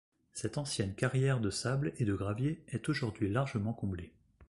Cette ancienne carrière de sable et de gravier est aujourd'hui largement comblée.